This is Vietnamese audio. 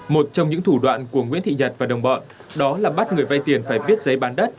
một trong những thủ đoạn của nguyễn thị nhật và đồng bọn đó là bắt người vay tiền phải viết giấy bán đất